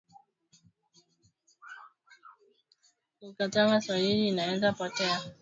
Mukatanga swahili inaanza potea